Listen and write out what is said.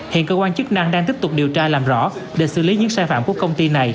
hiện cơ quan chức năng đang tiếp tục điều tra làm rõ để xử lý những sai phạm của công ty này